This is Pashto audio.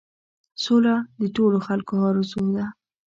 سوله د ټولو خلکو آرزو ده.